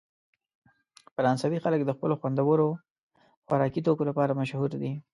فرانسوي خلک د خپلو خوندورو خوراکي توکو لپاره مشهوره دي.